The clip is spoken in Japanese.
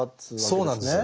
そうなんです。